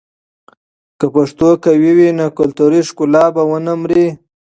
که پښتو قوي وي، نو کلتوري ښکلا به ونه مري.